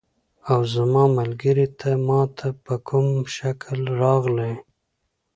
اوه زما ملګری، ته ما ته په کوم شکل راغلې؟